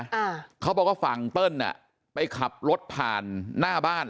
อ่าเขาบอกว่าฝั่งเติ้ลอ่ะไปขับรถผ่านหน้าบ้าน